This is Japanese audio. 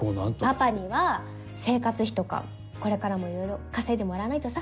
パパには生活費とかこれからもいろいろ稼いでもらわないとさ。